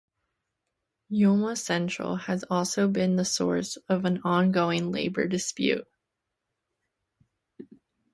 Yoma Central has also been the source of ongoing labor disputes.